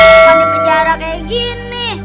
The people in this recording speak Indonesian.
bukan di penjara kayak gini